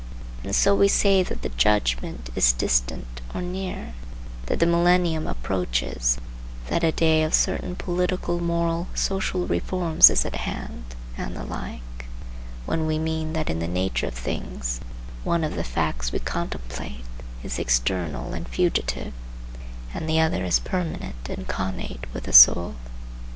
And so we say that the Judgment is distant or near, that the Millennium approaches, that a day of certain political, moral, social reforms is at hand, and the like, when we mean that in the nature of things one of the facts we contemplate is external and fugitive, and the other is permanent and connate with the soul.